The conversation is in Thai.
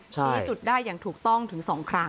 ชี้จุดได้อย่างถูกต้องถึง๒ครั้ง